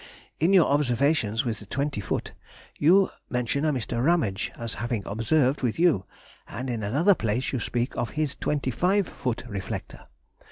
In your observations with the twenty foot you mention a Mr. Ramage as having observed with you; and in another place you speak of his twenty five foot reflector.